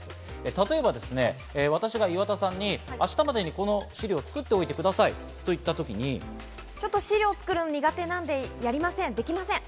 例えばですね、私が岩田さんに明日までにこの資料を作っておいてくださいと言った時にちょっと資料作るの苦手なんで、やりませんできません。